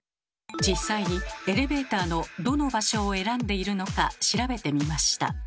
実際にエレベーターのどの場所を選んでいるのか調べてみました。